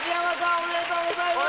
おめでとうございます！